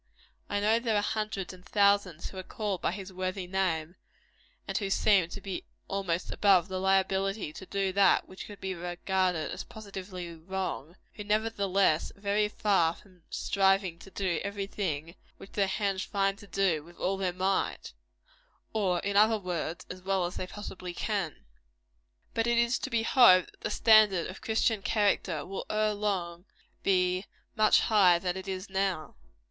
I know there are hundreds and thousands who are called by his worthy name, and who seem to be almost above the liability to do that which could be regarded as positively wrong, who, nevertheless, are very far from striving to do everything which their hands find to do with all their might or, in other words, as well as they possibly can. But it is to be hoped that the standard of Christian character will ere long be much higher than it is now.